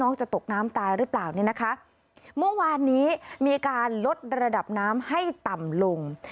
จะตกน้ำตายหรือเปล่าเนี่ยนะคะเมื่อวานนี้มีการลดระดับน้ำให้ต่ำลง